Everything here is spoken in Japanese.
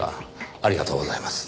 ありがとうございます。